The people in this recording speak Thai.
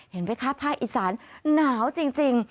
เห็นไหมคะภาคอีสานหนาวจริง